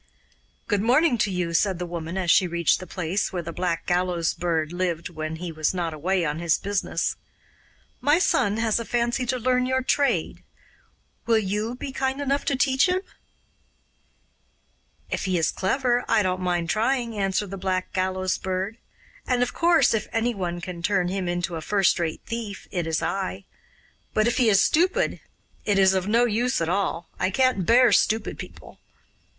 'Good morning to you,' said the woman as she reached the place where the Black Gallows Bird lived when he was not away on his business. 'My son has a fancy to learn your trade. Will you be kind enough to teach him?' 'If he is clever, I don't mind trying,' answered the Black Gallows Bird; 'and, of course, if ANY one can turn him into a first rate thief, it is I. But if he is stupid, it is of no use at all; I can't bear stupid people.